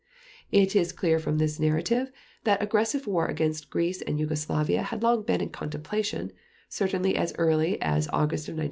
It is clear from this narrative that aggressive war against Greece and Yugoslavia had long been in contemplation, certainly as early as August of 1939.